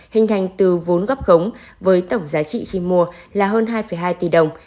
hình thành từ vốn gấp khống với tổng giá trị khi mua là hơn hai hai tỷ đồng